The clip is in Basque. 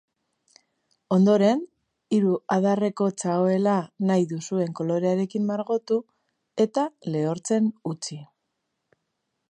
Ondoren, hiru adarreko txaoela nahi duzuen kolorearekin margotu eta lehortzen utzi.